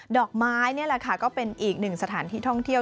ดอกไม้นี่แหละค่ะก็เป็นอีกหนึ่งสถานที่ท่องเที่ยว